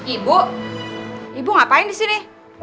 ibu ibu ngapain di sini